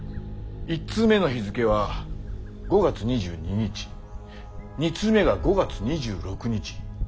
１通目の日付は５月２２日２通目が５月２６日。